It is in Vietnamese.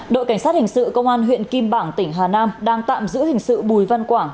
đội cảnh sát hình sự công an huyện kim bảng tỉnh hà nam đang tạm giữ hình sự bùi văn quảng